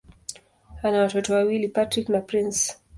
Ana watoto wawili: Patrick na Prince.